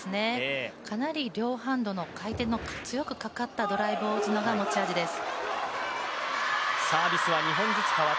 かなり両ハンドの回転のかかった強いドライブを打つのが特徴です。